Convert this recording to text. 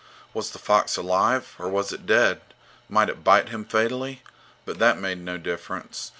Was the fox alive, or was it dead? Might it bite him fatally? But that made no difference.